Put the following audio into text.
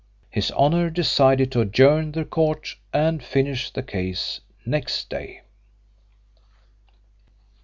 His Honour decided to adjourn the court and finish the case next day.